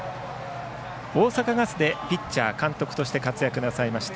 大阪ガスでピッチャー、監督として活躍なさいました